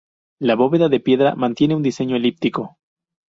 La bóveda, de piedra, mantiene un diseño elíptico.